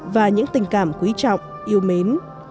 và những tình cảm quý trọng yêu mến